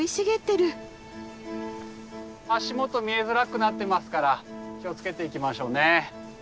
足元見えづらくなってますから気を付けて行きましょうね。